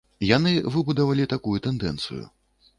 Яны выбудавалі такую тэндэнцыю.